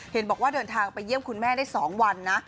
เห็นบอกว่าเดินทางไปเยี่ยมคุณแม่ได้๒วันนะ